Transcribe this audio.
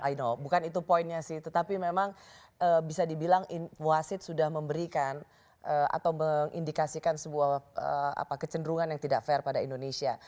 i know bukan itu poinnya sih tetapi memang bisa dibilang wasit sudah memberikan atau mengindikasikan sebuah kecenderungan yang tidak fair pada indonesia